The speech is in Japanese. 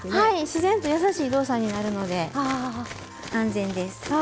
自然と優しい動作になるので安全です。